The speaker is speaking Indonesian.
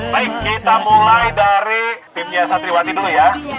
baik kita mulai dari tipnya satriwati dulu ya